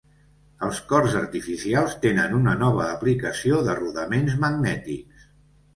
Els cors artificials tenen una nova aplicació de rodaments magnètics.